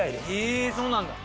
えそうなんだ。